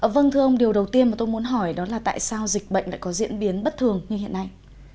vâng thưa ông điều đầu tiên mà tôi muốn hỏi đó là tại sao dịch bệnh lại có diễn biến bất thường như hiện nay